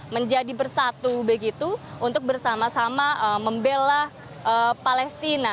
menjadi bersatu begitu untuk bersama sama membela palestina